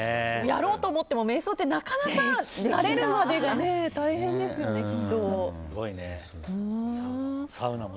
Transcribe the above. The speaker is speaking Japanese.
やろうと思っても瞑想ってなかなか慣れるまでが大変ですよね、きっと。